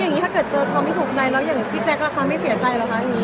อย่างนี้ถ้าเจอเขาไม่โทษใจแล้วพี่แจ็คก็ทำไม่เสียใจเหรอคะ